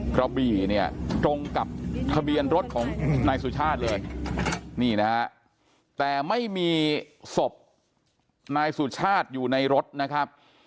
กระบี่เนี่ยตรงกับทะเบียนรถของนายสุชาติเลยนี่นะฮะแต่ไม่มีศพนายสุชาติอยู่ในรถนะครับ